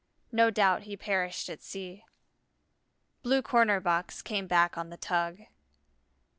No doubt he perished at sea. Blue Corner box came back on the tug.